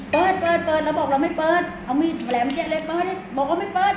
เปิดเปิดเปิดแล้วบอกเราไม่เปิดเอามีอะไรมาเยอะเลยเปิดบอกว่าไม่เปิด